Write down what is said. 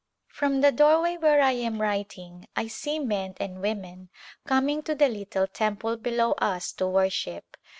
From the doorway where I am writing I see men and women coming to the little temple below us to worship.